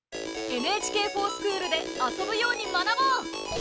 「ＮＨＫｆｏｒＳｃｈｏｏｌ」で遊ぶように学ぼう！